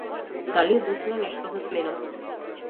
Дали е доцна нешто да сменам?